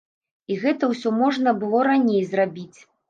І гэта ўсё можна было раней зрабіць.